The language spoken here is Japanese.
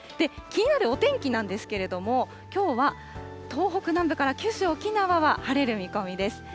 気になるお天気なんですけども、きょうは東北南部から九州、沖縄は晴れる見込みです。